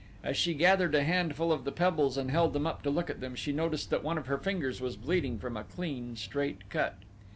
As she gathered a handful of the pebbles and held them up to look at them she noticed that one of her fingers was bleeding from a clean, straight cut.